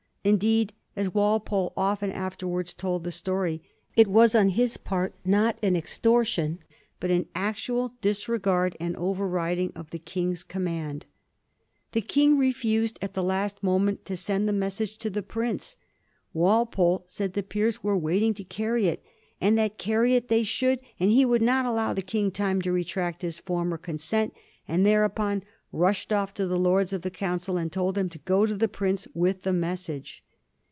Indeed, as Walpole often afterwards told the story, it was on his part not an extor tion, but an actnal disregard and overriding of the King's command. The King refused at the last moment to send the message to the prince; Walpole said the Peers were waiting to carry it, and that carry it they should, and he would not allow the King time to retract his former con sent, and thereupon rushed off to the Lords of the Council and told them to go to the prince with the message.